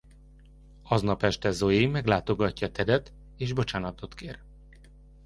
Aznap este Zoey meglátogatja Tedet és bocsánatot kér.